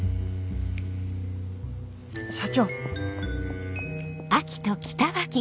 社長。